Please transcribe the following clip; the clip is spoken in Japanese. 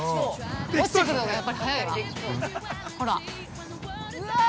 落ちてくるのが、やっぱり早いわ。